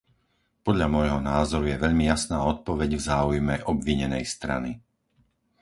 Podľa môjho názoru je veľmi jasná odpoveď v záujme obvinenej strany.